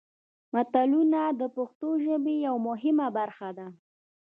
متلونه د پښتو ژبې یوه مهمه برخه ده